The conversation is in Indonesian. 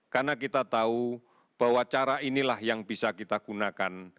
karena kita tahu bahwa cara inilah yang bisa kita gunakan